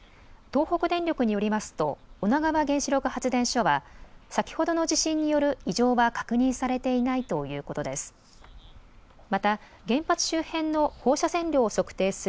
東北電力によりますと女川原子力発電所は先ほどの地震による異常は確認されていないということです。